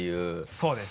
そうです。